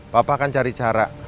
papa akan cari cara